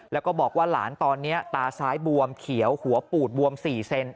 แล้วก็บอกว่าหลานตอนนี้ตาซ้ายบวมเขียวหัวปูดบวม๔เซน